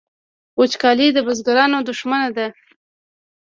وچکالي د بزګرانو دښمن ده